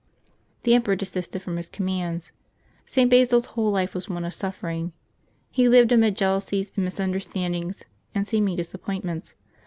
The emperor desisted from his commands. St Basil's whole life was one of suffering. He lived amid jealousies and misunderstandings and seeming disappoint ments.